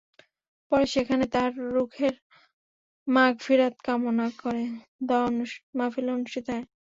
পরে সেখানে তাঁর রুহের মাগফিরাত কামনা করে দোয়া মাহফিল অনুষ্ঠিত হয়।